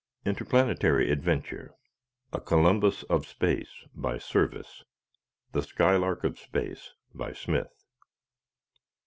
Interplanetary Adventure "A Columbus of Space," by Serviss; "The Skylark of Space," by Smith.